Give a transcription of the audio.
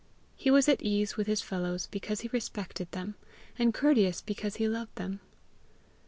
He was at ease with his fellows because he respected them, and courteous because he loved them.